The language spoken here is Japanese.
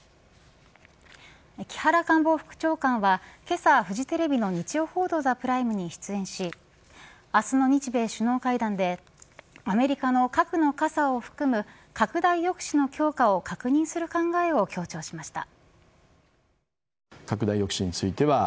木原官房副長官はけさ、フジテレビの日曜報道ＴＨＥＰＲＩＭＥに出演し明日の日米首脳会談でアメリカの核の傘を含む拡大抑止の強化を確認する考えを強調しました。